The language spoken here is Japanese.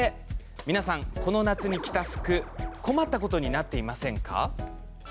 皆さん、この夏に着た服困ったことになっていませんか？